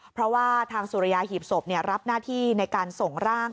เพราะว่าทางสุริยาหีบศพรับหน้าที่ในการส่งร่าง